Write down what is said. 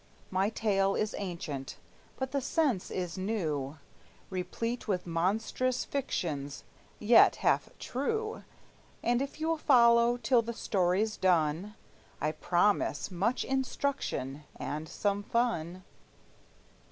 My tale is ancient, but the sense is new, Replete with monstrous fictions, yet half true; And, if you'll follow till the story's done, I promise much instruction, and some fun.